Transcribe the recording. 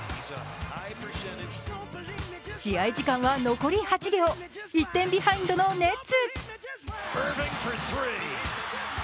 試合時間は残り８秒、１点ビハインドのネッツ。